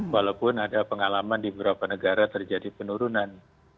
walaupun ada pengalaman di beberapa negara terjadi penurunan